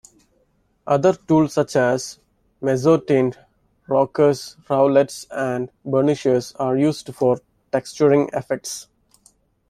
Other tools such as mezzotint rockers, roulets and burnishers are used for texturing effects.